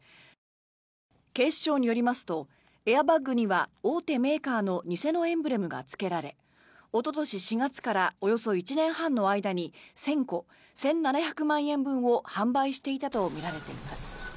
警視庁によりますとエアバッグには大手メーカーの偽のエンブレムがつけられおととし４月からおよそ１年半の間に１０００個、１７００万円分を販売していたとみられています。